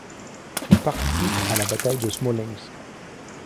Il participe à la bataille de Smolensk.